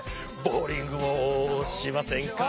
「ボウリングをしませんか」